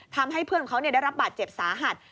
ทำให้เพื่อนเขาได้รับบาดเจ็บสาหัส